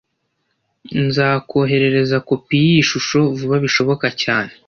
Nzakoherereza kopi yiyi shusho vuba bishoboka cyane